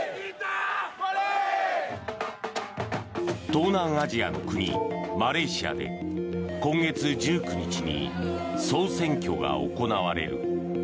東南アジアの国、マレーシアで今月１９日に総選挙が行われる。